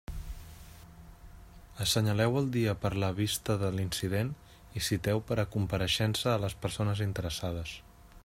Assenyaleu el dia per a la vista de l'incident i citeu per a compareixença a les persones interessades.